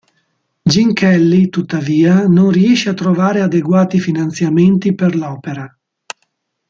Gene Kelly, tuttavia, non riesce a trovare adeguati finanziamenti per l'opera.